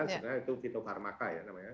sebenarnya itu vito pharmaka ya namanya